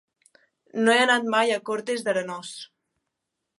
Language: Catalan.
No he anat mai a Cortes d'Arenós.